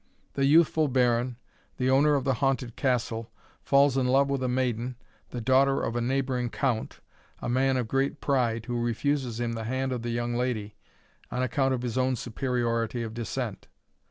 The youthful baron, the owner of the haunted castle, falls in love with a maiden, the daughter of a neighbouring count, a man of great pride, who refuses him the hand of the young lady, on account of his own superiority of descent.